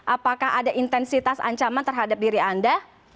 apakah ada intensitas ancaman terhadap diri anda